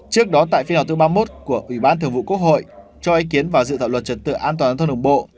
trước đó tại phiên họa thứ ba mươi một của ủy ban thượng vụ quốc hội cho ý kiến vào dự thảo luận trật tự an toàn thông đường bộ